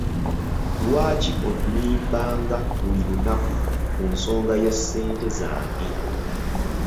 Lwaki onnimbanga buli lunaku ku nsonga ya ssente zange.